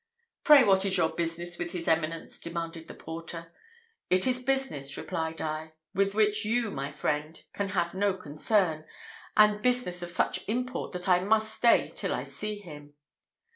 "Pray what is your business with his Eminence?" demanded the porter. "It is business," replied I, "with which you, my friend, can have no concern; and business of such import, that I must stay till I see him."